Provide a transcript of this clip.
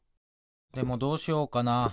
でもどうしようかな。